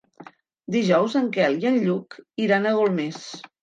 Dijous en Quel i en Lluc iran a Golmés.